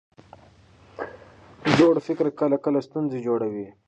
زوړ فکر کله کله ستونزې جوړوي.